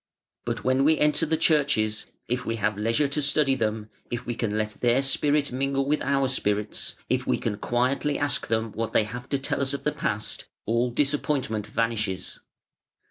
But when we enter the churches, if we have leisure to study, them, if we can let their spirit mingle with our spirits, if we can quietly ask them what they have to tell us of the Past, all disappointment vanishes.